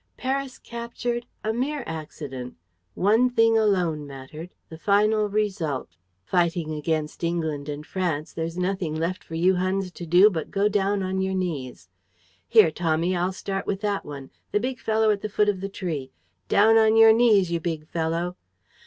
Paris captured? A mere accident! One thing alone mattered: the final result. Fighting against England and France, there's nothing left for you Huns to do but go down on your knees. Here, Tommy, I'll start with that one: the big fellow at the foot of the tree. Down on your knees, you big fellow!